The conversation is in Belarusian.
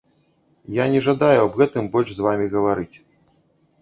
Я не жадаю аб гэтым больш з вамі гаварыць.